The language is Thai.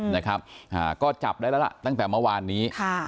นะครับอ่าก็จับได้แล้วล่ะตั้งแต่เมื่อวานนี้ค่ะ